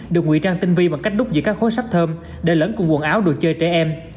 được nguy trang tinh vi bằng cách đúc giữa các khối sắp thơm để lẫn cùng quần áo đồ chơi trẻ em